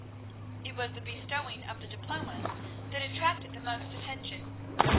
It was the bestowing of the diplomas that attracted the most attention.